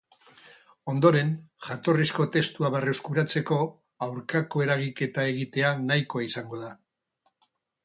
Ondoren, jatorrizko testua berreskuratzeko aurkako eragiketa egitea nahikoa izango da.